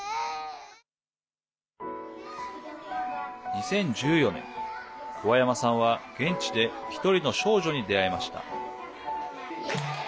２０１４年、桑山さんは現地で１人の少女に出会いました。